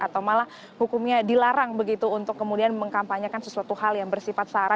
atau malah hukumnya dilarang begitu untuk kemudian mengkampanyekan sesuatu hal yang bersifat sara